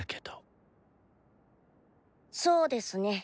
そうですね。